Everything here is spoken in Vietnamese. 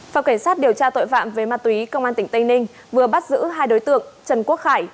phòng cảnh sát điều tra tội phạm về ma túy công an tỉnh tây ninh vừa bắt giữ hai đối tượng trần quốc khải